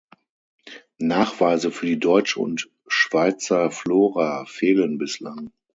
Nachweise für die deutsche und Schweizer Flora fehlen bislang.